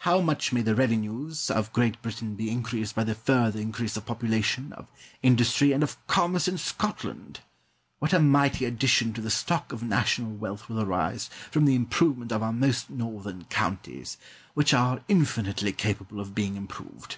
How much may the revenues of Great Britain be increased by the further increase of population, of industry, and of commerce in Scotland! What a mighty addition to the stock of national wealth will arise from the improvement of our most northern counties, which are infinitely capable of being improved!